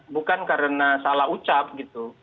bukan karena salah ucap gitu